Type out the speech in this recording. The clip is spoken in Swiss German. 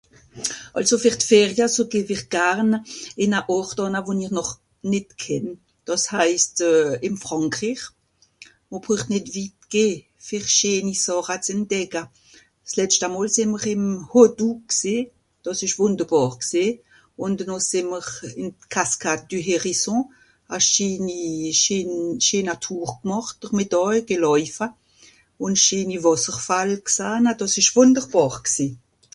àlso ver d'ferie so geh w'ir garn ìn à ort ànne won'i noch nìt kennt dàss heisst euh ìn frànkrir mr broch nìt wit geh ver scheeni sàche zu endecke s'letschte mol sé mr ìm (o doux) gsé dàss esch wùnderbàr gsé ùn deno sé mr ìn cascade du hérisson a schinni à schen schener tour gemàcht mit (doij geläufe) ùn scheeni wàssergfall g'sahn à dàss esch wùnderbàr gsé